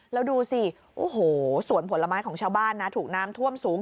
แล้วดูสิโอ้โหสวนผลไม้ของชาวบ้านนะถูกน้ำท่วมสูง